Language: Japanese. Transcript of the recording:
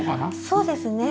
そうですね。